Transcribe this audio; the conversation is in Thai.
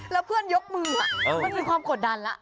แล้วเพื่อนยกมือมันมีความกดดันแล้ว